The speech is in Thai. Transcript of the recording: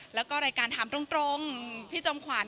แล้วก็รายการถามตรงพี่จอมขวัญ